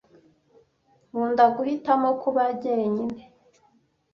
Nkunda guhitamo kuba jyenyine.